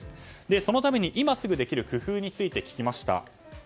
そのために今すぐできる工夫について聞きました。